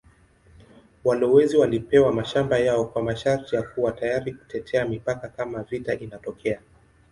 Walowezi walipewa mashamba yao kwa masharti ya kuwa tayari kutetea mipaka kama vita inatokea.